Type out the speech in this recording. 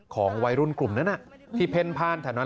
ของวัยรุ่นกลุ่มนั้นที่เพ่นพ่านแถวนั้น